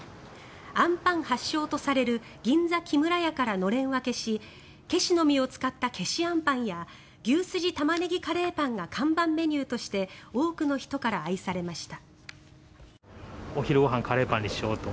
あんパン発祥とされる銀座木村家からのれん分けしケシの実を使ったけしあんぱんや牛すじ玉ねぎカレーパンが看板メニューとして多くの人から愛されました。